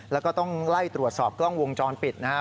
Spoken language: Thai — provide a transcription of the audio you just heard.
แล้วก็ต้องไล่ตรวจสอบกล้องวงจรปิดนะครับ